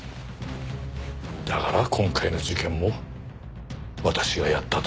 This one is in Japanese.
だから今回の事件も私がやったと？